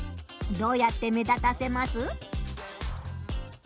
どうやって目立たせます？